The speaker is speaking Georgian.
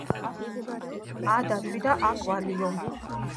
ა დათვი , და ა , კვალი